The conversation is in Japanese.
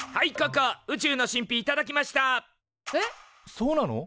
そうなの？